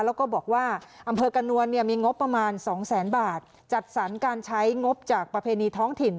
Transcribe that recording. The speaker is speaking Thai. แล้วก็บอกว่าอำเภอกระนวลเนี่ยมีงบประมาณสองแสนบาทจัดสรรการใช้งบจากประเพณีท้องถิ่น